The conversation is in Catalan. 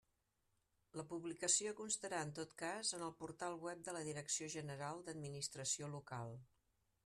La publicació constarà en tot cas en el portal web de la Direcció General d'Administració Local.